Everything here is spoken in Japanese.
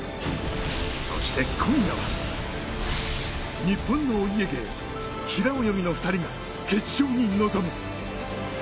そして今夜は日本のお家芸平泳ぎの２人が決勝に臨む。